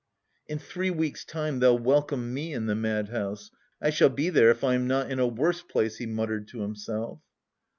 "In three weeks' time they'll welcome me in the madhouse! I shall be there if I am not in a worse place," he muttered to himself.